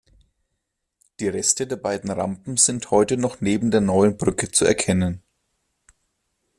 Die Reste der beiden Rampen sind heute noch neben der neuen Brücke zu erkennen.